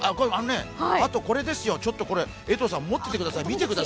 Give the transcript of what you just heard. あとこれですよ、江藤さん持っててください。